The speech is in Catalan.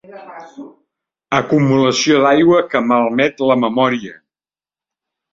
Acumulació d'aigua que malmet la memòria.